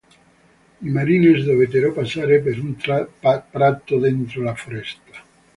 I Marines dovettero passare per un prato dentro la foresta.